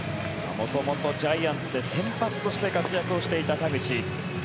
元々、ジャイアンツで先発として活躍していた田口。